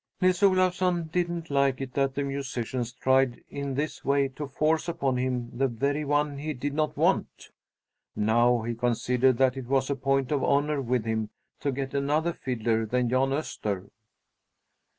Nils Olafsson didn't like it that the musicians tried in this way to force upon him the very one he did not want. Now he considered that it was a point of honor with him to get another fiddler than Jan Öster.